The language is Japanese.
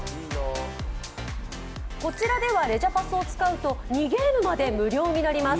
こちらではレジャパス！を使うと２ゲームまで無料になります。